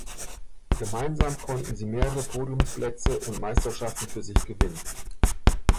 Gemeinsam konnten sie mehrere Podiumsplätze und Meisterschaften für sich gewinnen.